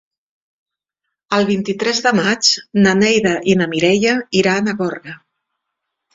El vint-i-tres de maig na Neida i na Mireia iran a Gorga.